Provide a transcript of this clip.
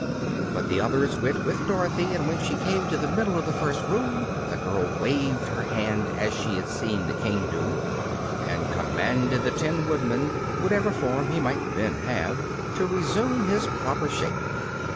But the others went with Dorothy, and when she came to the middle of the first room the girl waved her hand, as she had seen the King do, and commanded the Tin Woodman, whatever form he might then have, to resume his proper shape.